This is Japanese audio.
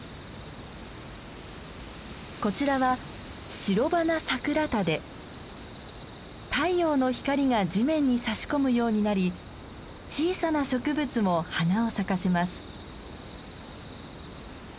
こちらは太陽の光が地面にさし込むようになり小さな植物も花を咲かせます。